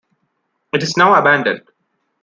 It is now abandoned.